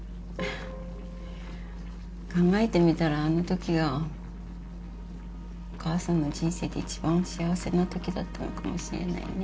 考えてみたらあのときがお母さんの人生で一番幸せな時だったのかもしれないね。